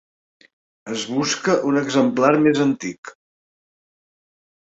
Es busca un exemplar més antic.